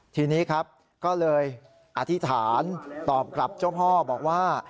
ทีนี้ครับก็เลยอธิษฐานตอบกลับเจ้าพ่อบอกว่า